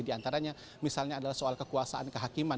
di antaranya misalnya adalah soal kekuasaan kehakiman